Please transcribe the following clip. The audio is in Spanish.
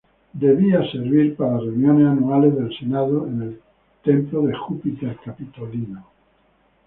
Debía servir para reuniones anuales del Senado en el templo de Júpiter Capitolino.